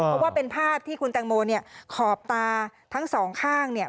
เพราะว่าเป็นภาพที่คุณแตงโมเนี่ยขอบตาทั้งสองข้างเนี่ย